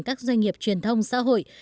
các doanh nghiệp truyền thông xã hội